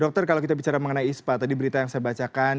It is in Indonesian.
dokter kalau kita bicara mengenai ispa tadi berita yang saya bacakan